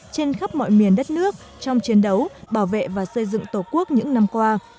trên khắp mọi miền đất nước trong chiến đấu bảo vệ và xây dựng tổ quốc những năm qua